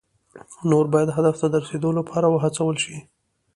نور باید هدف ته د رسیدو لپاره وهڅول شي.